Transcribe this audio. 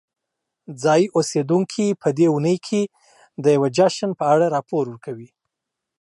ځایی اوسیدونکي په دې اونۍ کې د یوې جشن په اړه راپور ورکوي.